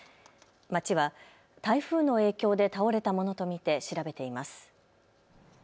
町は台風の影響で倒れたものと見て調べています。